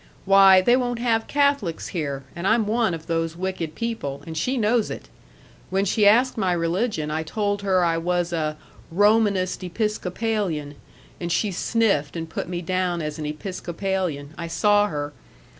Why, they won't have Catholics here, and I'm one of those wicked people, and she knows it! When she asked my religion I told her I was a 'Romanist Episcopalian,' and she sniffed and put me down as an Episcopalian I saw her!...